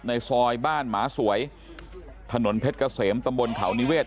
ในซอยบ้านหมาสวยถนนเพชรเกษมตำบลเขานิเศษ